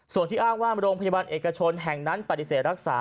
ส่วนที่อ้างว่าโรงพยาบาลเอกชนแห่งนั้นปฏิเสธรักษา